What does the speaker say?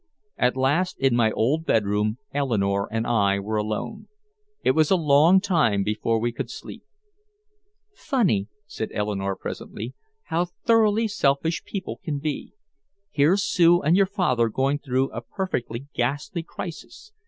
At last in my old bedroom Eleanore and I were alone. It was a long time before we could sleep. "Funny," said Eleanore presently, "how thoroughly selfish people can be. Here's Sue and your father going through a perfectly ghastly crisis.